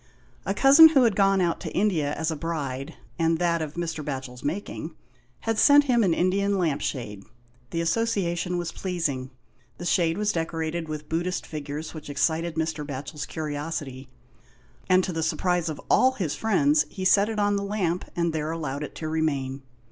A cousin who had gone out to India as a bride, and that of Mr. Batchel's making, had sent him an Indian lamp shade. The association was pleasing. The shade was decorated with Buddhist figures which excited Mr. Batchel's curiosity, and to the surprise of all his friends he set it on the lamp and there allowed it to remain.